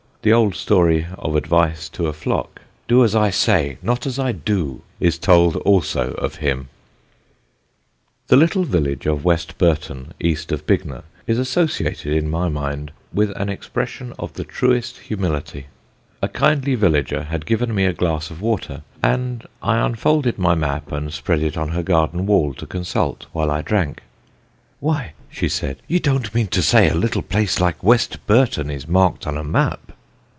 The old story of advice to a flock: "Do as I say, not as I do," is told also of him. [Sidenote: VILLAGE HUMILITY] The little village of West Burton, east of Bignor, is associated in my mind with an expression of the truest humility. A kindly villager had given me a glass of water, and I unfolded my map and spread it on her garden wall to consult while I drank. "Why," she said, "you don't mean to say a little place like West Burton is marked on a map."